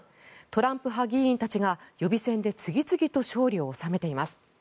トランプ派議員たちが予備選で次々と勝利を収めています。